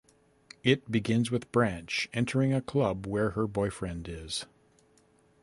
It begins with Branch entering a club where her boyfriend is.